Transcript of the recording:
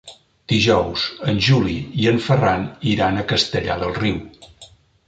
Dijous en Juli i en Ferran iran a Castellar del Riu.